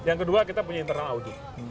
yang kedua kita punya internal audit